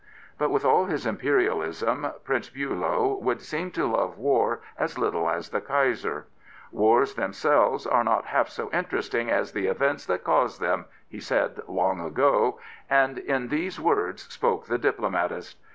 But with all his Imperialism Prince Biilow would seem to love war as little as the Kaiser. Wars themselves are not half so interesting as the events that cause them," he said long ago, and in these words spoke the diplomatist.